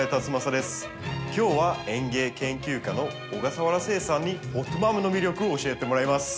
今日は園芸研究家の小笠原誓さんにポットマムの魅力を教えてもらいます。